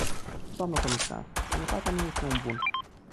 Dnă comisar, sănătatea nu este un bun.